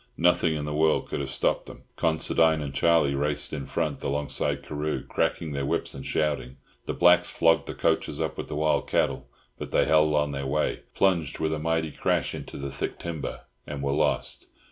Nothing in the world could have stopped them. Considine and Charlie raced in front, alongside Carew, cracking their whips and shouting; the blacks flogged the coachers up with the wild cattle; but they held on their way, plunged with a mighty crash into the thick timber, and were lost.